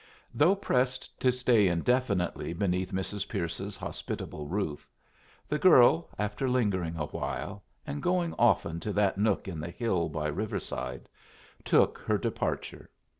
Though pressed to stay indefinitely beneath Mrs. Pierce's hospitable roof, the girl, after lingering awhile, and going often to that nook in the hill by Riverside, took her departure.